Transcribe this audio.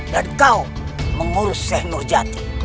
dan kau mengurus syekh nurjati